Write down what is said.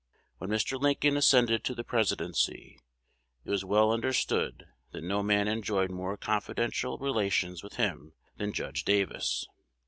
When Mr. Lincoln ascended to the Presidency, it was well understood that no man enjoyed more confidential relations with him than Judge Davis.